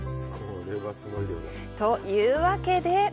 というわけで。